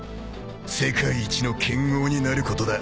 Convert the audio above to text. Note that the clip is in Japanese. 世界一の剣豪になることだ